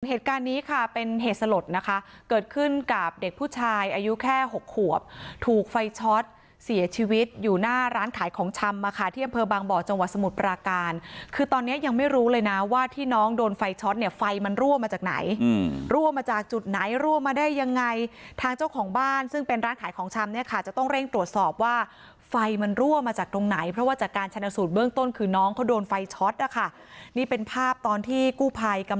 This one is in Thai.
เหตุการณ์นี้ค่ะเป็นเหตุสลดนะคะเกิดขึ้นกับเด็กผู้ชายอายุแค่หกขวบถูกไฟช็อตเสียชีวิตอยู่หน้าร้านขายของชำมาค่ะที่อำเภอบางบ่อจังหวัดสมุทรปราการคือตอนนี้ยังไม่รู้เลยนะว่าที่น้องโดนไฟช็อตเนี้ยไฟมันรั่วมาจากไหนอืมรั่วมาจากจุดไหนรั่วมาได้ยังไงทางเจ้าของบ้านซึ่งเป็นร้านขายของชำเนี้ยค